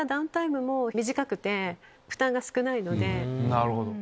なるほど。